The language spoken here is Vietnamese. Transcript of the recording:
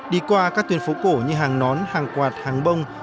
đi qua các tuyến phố cổ như hàng nón hàng quạt hàng bông